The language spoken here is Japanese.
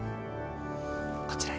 こちらへ。